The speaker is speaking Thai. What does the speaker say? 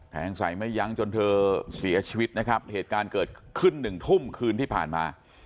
แทงใส่ไม่ยั้งจนเธอเสียชีวิตนะครับเหตุการณ์เกิดขึ้นหนึ่งทุ่มคืนที่ผ่านมา